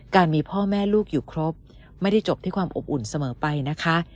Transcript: มีพ่อแม่ลูกอยู่ครบไม่ได้จบที่ความอบอุ่นเสมอไปนะคะ